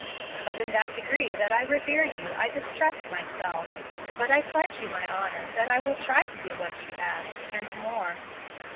But in that degree that I revere you, I distrust myself. But I pledge you my honor, that I will try to do what you ask, and more."